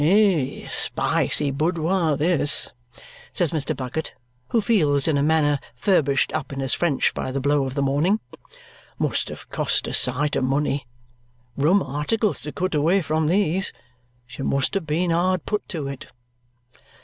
"A spicy boudoir, this," says Mr. Bucket, who feels in a manner furbished up in his French by the blow of the morning. "Must have cost a sight of money. Rum articles to cut away from, these; she must have been hard put to it!"